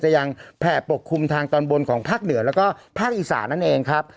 ยังแผ่ปกคลุมทางตอนบนของภาคเหนือแล้วก็ภาคอีสานนั่นเองครับ